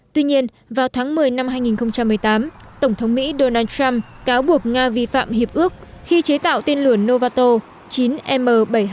tuy nhiên vào tháng một mươi năm hai nghìn một mươi tám tổng thống mỹ donald trump cáo buộc nga vi phạm hiệp ước khi chế tạo tên lửa novato chín m bảy trăm hai mươi